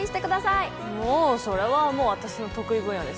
もうそれは私の得意分野です。